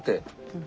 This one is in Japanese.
うん。